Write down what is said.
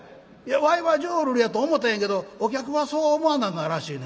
「わいは浄瑠璃やと思ったんやけどお客はそう思わなんだらしい。